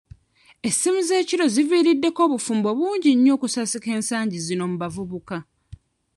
Essimu z'ekiro ziviiriddeko obufumbo bungi nnyo okusasika ensangi zino mu bavubuka.